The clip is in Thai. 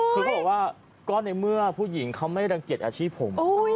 คือเขาบอกว่าก็ในเมื่อผู้หญิงเขาไม่รังเกียจอาชีพผม